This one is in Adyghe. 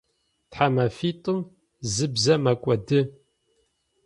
Тхьамэфитӏум зы бзэ мэкӏоды.